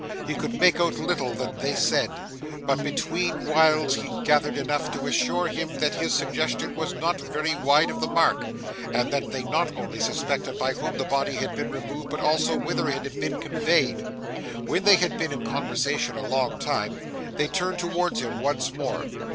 He could make out little that they said, but between whiles he gathered enough to assure him that his suggestion was not very wide of the mark, and that they not only suspected by whom the body had been removed, but also whither it had been conveyed. When they had been in conversation a long time, they turned towards him once more.